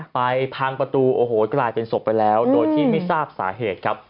พังประตูโอ้โหกลายเป็นศพไปแล้วโดยที่ไม่ทราบสาเหตุครับ